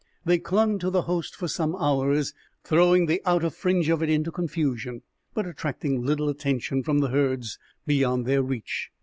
They clung to the host for some hours, throwing the outer fringe of it into confusion, but attracting little attention from the herds beyond their reach.